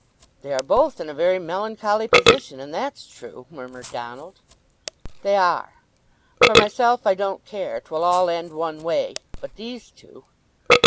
"They are both in a very melancholy position, and that's true!" murmured Donald. "They are! For myself I don't care—'twill all end one way. But these two."